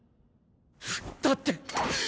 だって。